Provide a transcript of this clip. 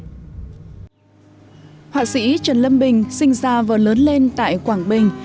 họa sĩ trần lâm bình sinh ra và lớn lên tại quảng bình